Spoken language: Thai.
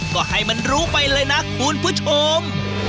ก็ให้มันรู้ไปเลยนะคุณผู้ชม